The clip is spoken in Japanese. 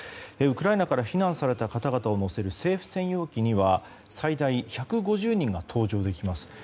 ウクライナから避難された方々を乗せる政府専用機には最大１５０人が搭乗できます。